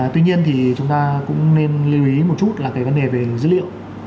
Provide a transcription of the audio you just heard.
tuy nhiên thì chúng ta cũng nên lưu ý một chút là cái vấn đề về dữ liệu